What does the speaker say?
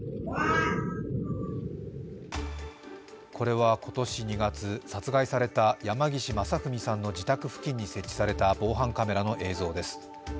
これは今年２月、殺害された山岸正文さんの自宅付近に設置された防犯カメラの映像です。